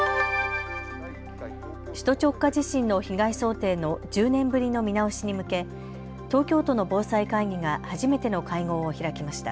首都直下地震の被害想定の１０年ぶりの見直しに向け東京都の防災会議が初めての会合を開きました。